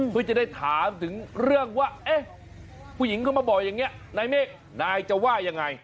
เพื่อจะได้ถามถึงเรื่องว่า